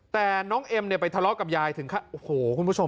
แต่น้องเอ็มเนี่ยไปทะเลาะกับยายถึงโอ้โหคุณผู้ชม